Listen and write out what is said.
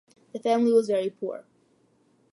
The family was very poor.